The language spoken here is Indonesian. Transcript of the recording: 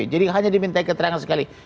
jadi hanya diminta ketrengan sekali